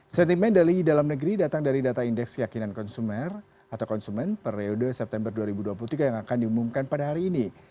sentimen dari dalam negeri datang dari data indeks keyakinan konsumen atau konsumen periode september dua ribu dua puluh tiga yang akan diumumkan pada hari ini